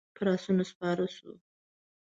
پر آسونو سپاره شوو.